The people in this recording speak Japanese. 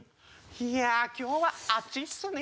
いや今日は暑いっすね。